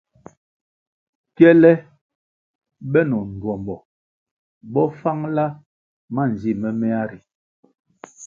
Kyele benoh ndtuombo bo fangla manzi moméa ri.